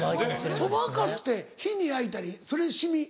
そばかすって日に焼いたりそれ染み？